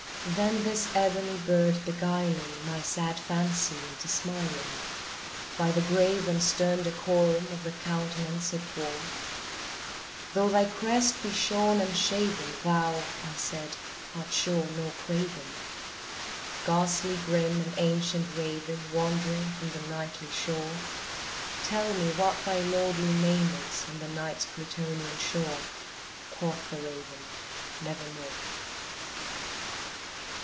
Then this ebony bird beguiling my sad fancy into smiling, By the grave and stern decorum of the countenance it wore, "Though thy crest be shorn and shaven, thou," I said, "art sure no craven. Ghastly grim and ancient raven wandering from the Nightly shore Tell me what thy lordly name is on the Night's Plutonian shore!" Quoth the raven, "Nevermore."